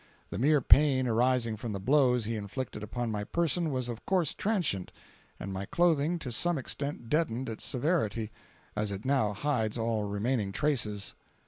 The mere pain arising from the blows he inflicted upon my person was of course transient, and my clothing to some extent deadened its severity, as it now hides all remaining traces.